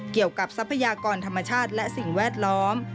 เกี่ยวกับทรัพยากรธรรมชาติและสิ่งแวดล้อม